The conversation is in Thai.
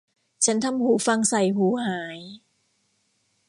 ฉันทำหูฟังใส่หูหาย